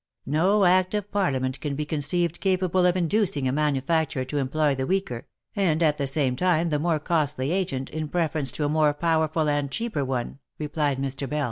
" No Act of Parliament can be conceived capable of inducing a manufacturer to employ the weaker, and at the same time the more costly agent, in preference to a more powerful and cheaper one," re plied Mr. Bell.